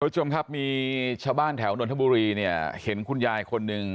ทุกคนค่ะมีชาวบ้านแถวนทบุรีเนี่ยเห็นคุณยายคนหนึ่ง